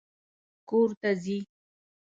کور ته ځي